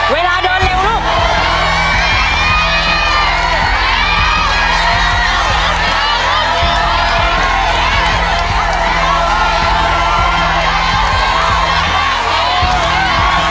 เวลาเดินเร็วลูก